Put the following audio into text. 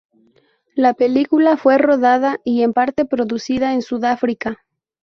La película fue rodada y, en parte, producida en Sudáfrica.